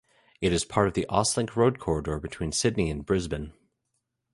It is part of the AusLink road corridor between Sydney and Brisbane.